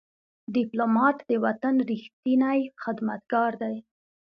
ډيپلومات د وطن ریښتینی خدمتګار دی.